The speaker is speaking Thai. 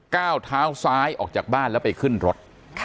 ก้าวเท้าซ้ายออกจากบ้านแล้วไปขึ้นรถ